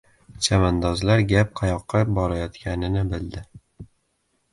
Chavandozlar gap qayoqqa borayotganini bildi.